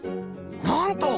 なんと！